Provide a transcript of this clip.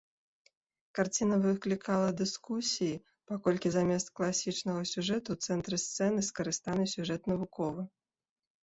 Карціна выклікала дыскусіі, паколькі замест класічнага сюжэту ў цэнтры сцэны скарыстаны сюжэт навуковы.